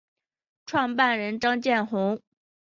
创办人张建宏。